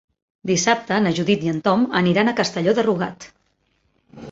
Dissabte na Judit i en Tom aniran a Castelló de Rugat.